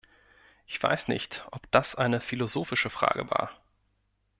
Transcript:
Ich weiß nicht, ob das eine philosophische Frage war.